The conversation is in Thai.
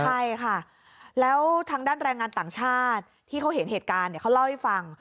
ใช่ค่ะแล้วทางด้านแรงงานต่างชาติที่เขาเห็นเหตุการณ์เขาเล่าให้ฟัง